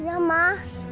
iya aku nggak salah liat